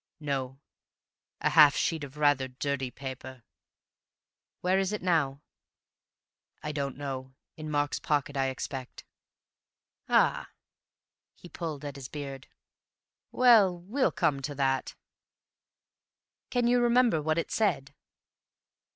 "No. A half sheet of rather dirty paper." "Where is it now?" "I don't know. In Mark's pocket, I expect." "Ah!" He pulled at his beard. "Well, we'll come to that. Can you remember what it said?"